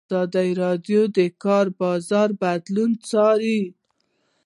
ازادي راډیو د د کار بازار بدلونونه څارلي.